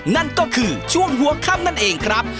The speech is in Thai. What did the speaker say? นั่นก็คือช่วงหัวค่ำนั่นเองครับ